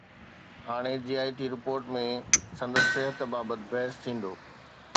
هاڻي J I T report ۾ سندس صحت بابت بحث ٿيندو